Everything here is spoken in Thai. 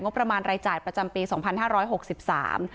ประมาณรายจ่ายประจำปีสองพันห้าร้อยหกสิบสาม